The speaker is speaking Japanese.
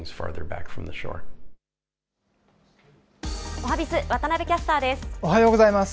おはＢｉｚ、渡部キャスターです。